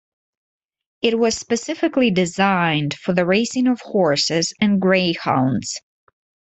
It was specifically designed for the racing of horses and greyhounds.